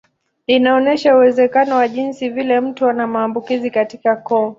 Inaonyesha uwezekano wa jinsi vile mtu ana maambukizi katika koo.